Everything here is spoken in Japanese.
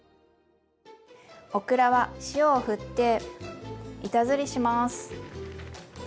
オクラは塩をふって板ずりします。